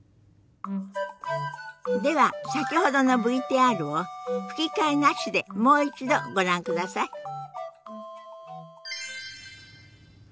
では先ほどのＶＴＲを吹き替えなしでもう一度ご覧ください。